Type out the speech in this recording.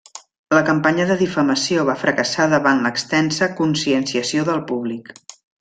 La campanya de difamació va fracassar davant l'extensa conscienciació del públic.